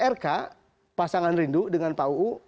rk pasangan rindu dengan pak uu